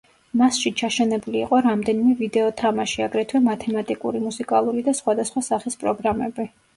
მასში ჩაშენებული იყო რამდენიმე ვიდეო თამაში, აგრეთვე მათემატიკური, მუსიკალური და სხვადასხვა სახის პროგრამები.